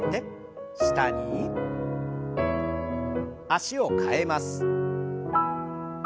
脚を替えます。